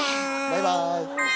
バイバーイ。